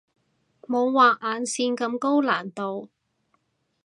冇畫眼線咁高難度